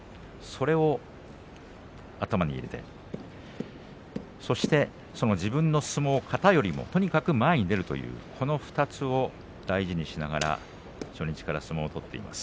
それを頭に入れてそして自分の相撲を型よりもとにかく前に出るというこの２つを大事にしながら初日から相撲を取っています。